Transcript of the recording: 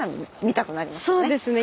そうですね